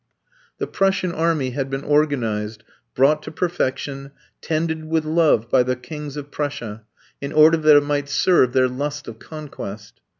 The Prussian army had been organized, brought to perfection, tended with love by the Kings of Prussia, in order that it might serve their lust of conquest.